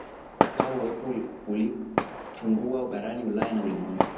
au uwepo uliopungua barani Ulaya na ulimwengu